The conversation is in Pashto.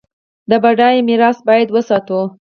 دا بډایه میراث باید وساتو.